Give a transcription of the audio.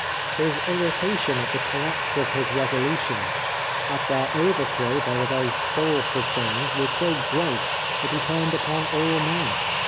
His irritation at the collapse of his resolutions, at their overthrow by the very force of things, was so great that he turned upon all men.